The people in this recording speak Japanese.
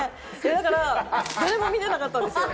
だから誰も見てなかったんですよ。